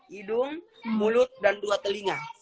hidung mulut dan dua telinga